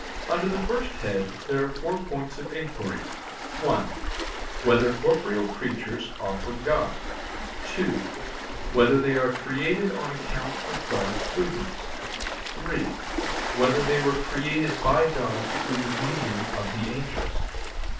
Under the first head there are four points of inquiry: (1) Whether corporeal creatures are from God? (2) Whether they were created on account of God's goodness? (3) Whether they were created by God through the medium of the angels?